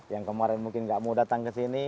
yang kemarin mungkin nggak mau datang ke sini